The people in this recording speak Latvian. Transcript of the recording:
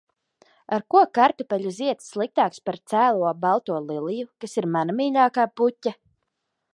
Ar ko kartupeļu zieds sliktāks par cēlo, balto liliju, kas ir mana mīļākā puķe?